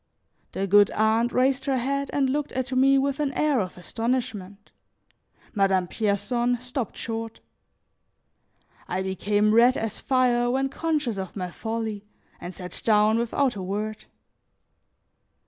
The good aunt raised her head and looked at me with an air of astonishment; Madame Pierson stopped short. I became red as fire when conscious of my folly, and sat down without a word.